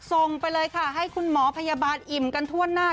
ส่งไปเลยค่ะให้คุณหมอพยาบาลอิ่มกันทั่วหน้า